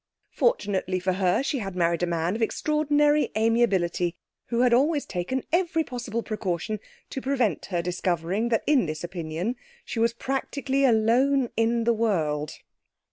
Fortunately for her, she had married a man of extraordinary amiability, who had always taken every possible precaution to prevent her discovering that in this opinion she was practically alone in the world.